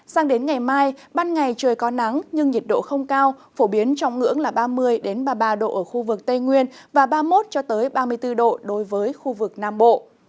sang đến ngày mai ban ngày trời có nắng nhưng nhiệt độ không cao phổ biến trong ngưỡng là ba mươi ba mươi ba độ ở khu vực tây nguyên và ba mươi một ba mươi bốn độ đối với khu vực nam bộ